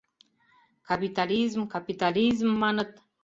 — Капитализм, капитализм маныт.